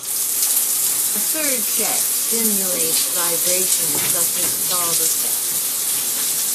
A third set simulates vibration such as stall buffet.